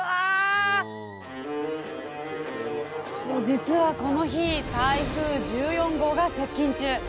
実はこの日台風１４号が接近中。